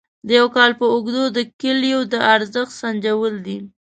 د یو کال په اوږدو د کالیو د ارزښت سنجول دي.